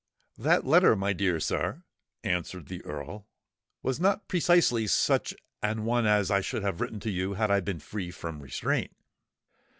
"That letter, my dear sir," answered the Earl, "was not precisely such an one as I should have written to you had I been free from restraint."